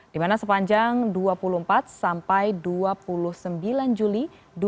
dimana sepanjang dua puluh empat sampai dua puluh sembilan juli dua ribu dua puluh